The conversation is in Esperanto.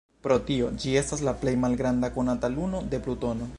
Pro tio, ĝi estas la plej malgranda konata luno de Plutono.